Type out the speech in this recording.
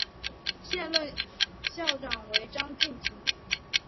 现任校长为张晋平。